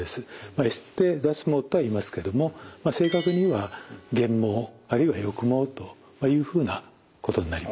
エステ脱毛とはいいますけども正確には減毛あるいは抑毛というふうなことになります。